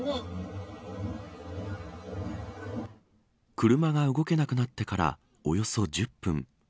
車が動けなくなってからおよそ１０分。